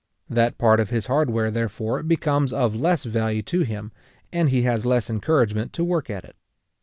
That part of his hardware, therefore, becomes of less value to him, and he has less encouragement to work at it.